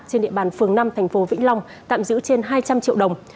trên địa bàn phường năm thành phố vĩnh long tạm giữ trên hai trăm linh triệu đồng